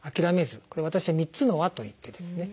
これを私は「３つの『あ』」といってですね